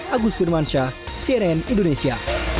agus firman syah cnn indonesia